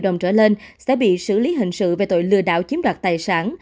đồng trở lên sẽ bị xử lý hình sự về tội lừa đảo chiếm đoạt tài sản